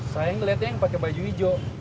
saya ngeliatnya yang pakai baju hijau